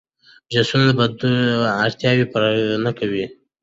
جوسونه د بدن اړتیاوې پوره نه کوي.